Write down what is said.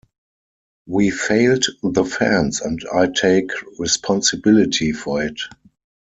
We failed the fans and I take responsibility for it.